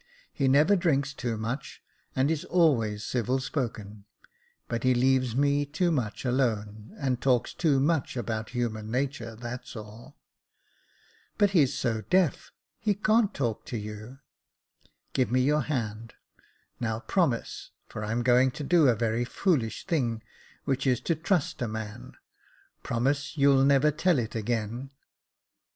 He never drinks too much, and is always civil spoken ; but he leaves me too much alone, and talks too much about human nature, that's all." '' But he's so deaf — he can't talk to you." *' Give me your hand — now promise — for I'm going to do a very foolish thing, which is to trust a man — promise you'll never tell it again."